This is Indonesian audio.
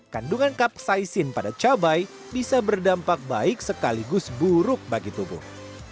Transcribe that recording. kandungan kapsaisin pada cabai bisa berdampak baik sekaligus buruk bagi tubuh